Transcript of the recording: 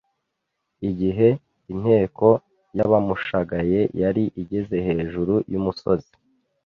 Igihe inteko y'abamushagaye yari igeze hejuru y'umusozi,